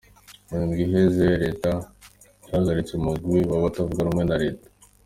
Mu ndwi iheze, reta yarahagaritse umugwi w'abatavuga rumwe na reta.